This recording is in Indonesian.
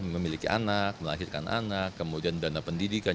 memiliki anak melahirkan anak kemudian dana pendidikan